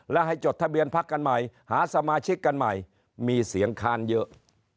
และให้จดทะเบียนพักกันใหม่หาสมาชิกกันใหม่มีเสียงค้านเยอะ